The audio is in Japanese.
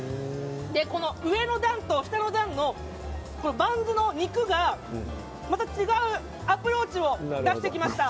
上の段と下の段のバンズの肉がまた違うアプローチを出してきました。